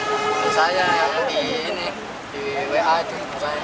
itu saya yang di wa itu